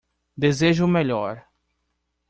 Desejo o melhor!